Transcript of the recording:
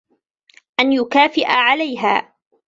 أَنْ يُكَافِئَ عَلَيْهَا